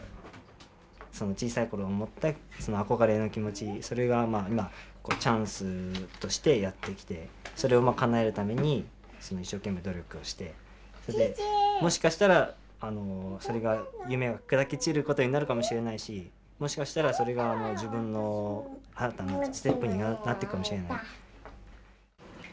小さい頃思った憧れの気持ちそれが今チャンスとしてやって来てそれをかなえるために一生懸命努力をしてもしかしたら夢が砕け散る事になるかもしれないしもしかしたら自分の新たなステップになっていくかもしれない。